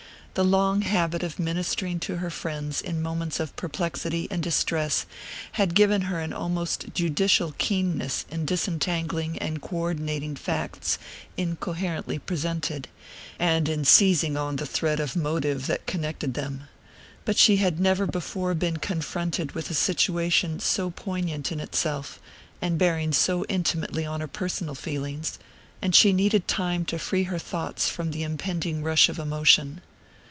The long habit of ministering to her friends in moments of perplexity and distress had given her an almost judicial keenness in disentangling and coordinating facts incoherently presented, and in seizing on the thread of motive that connected them; but she had never before been confronted with a situation so poignant in itself, and bearing so intimately on her personal feelings; and she needed time to free her thoughts from the impending rush of emotion.